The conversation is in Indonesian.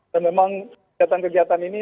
memang kegiatan kegiatan ini